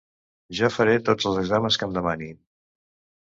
Jo faré tots els exàmens que em demanin.